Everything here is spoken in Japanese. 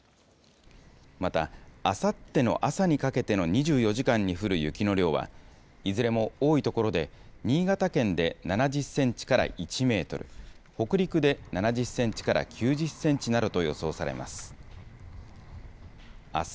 また、あさっての朝にかけての２４時間に降る雪の量は、いずれも多い所で、新潟県で７０センチから１メートル、北陸で７０センチから９０センチなどと予想されます。